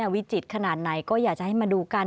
วิจิตรขนาดไหนก็อยากจะให้มาดูกัน